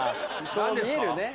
そう見えるね。